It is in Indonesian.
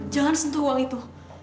jangan sentuh uang itu